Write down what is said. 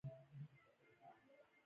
عربي ژبه مو زده کړه.